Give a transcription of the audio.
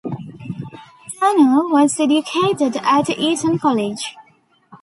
Turnour was educated at Eton College.